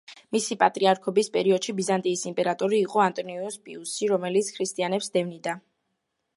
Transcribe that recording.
მისი პატრიარქობის პერიოდში ბიზანტიის იმპერატორი იყო ანტონინუს პიუსი, რომელიც ქრისტიანებს დევნიდა.